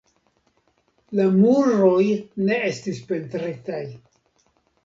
La muroj ne estas pentritaj.